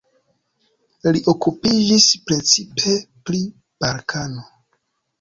Li okupiĝis precipe pri Balkano.